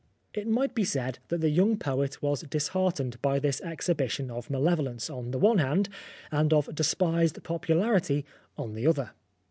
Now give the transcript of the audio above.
It might be said that the young poet was disheartened by this' exhibition of malevo lence on the one hand, and of despised popularity on the other.